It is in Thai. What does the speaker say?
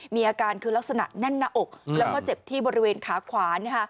มีอาการคือลักษณะแน่นหน้าอกแล้วก็เจ็บที่บริเวณขาขวา